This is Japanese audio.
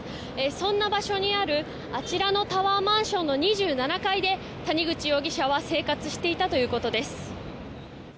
そんな場所にあるあちらのタワーマンションの２７階で、谷口容疑者は生活していたということです。